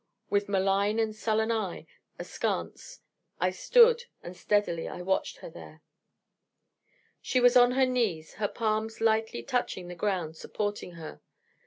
With malign and sullen eye askance I stood, and steadily I watched her there. She was on her knees, her palms lightly touching the ground, supporting her.